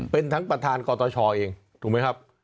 เป็นทั้งประธานกตชเองถูกไหมครับ